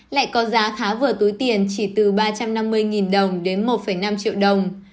lại có giá vừa túi tiền chỉ từ ba trăm năm mươi đồng đến một năm triệu đồng